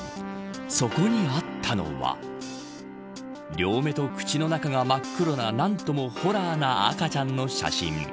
そこにあったのは両目と口の中が真っ黒な何ともホラーな赤ちゃんの写真。